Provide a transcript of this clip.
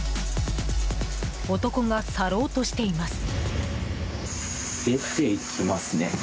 男が去ろうとしています。